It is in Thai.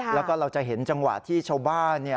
แล้วก็เราจะเห็นจังหวะที่ชาวบ้าน